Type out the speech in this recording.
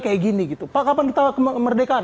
kayak gini gitu pak kapan kita kemerdekaan